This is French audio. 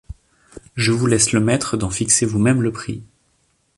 Je vous laisse le maître d'en fixer vous-même le prix.